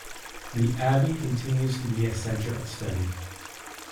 The abbey continues to be a centre of study.